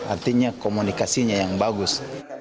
artinya komunikasinya yang bagus